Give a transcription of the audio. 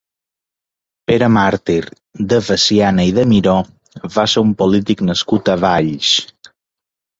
Pere Màrtir de Veciana i de Miró va ser un polític nascut a Valls.